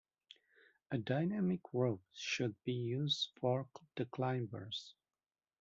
A dynamic rope should be used for the climbers.